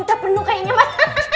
udah penuh kayaknya mas